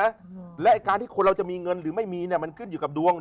นะและการที่คนเราจะมีเงินหรือไม่มีมันขึ้นอยู่กับดวง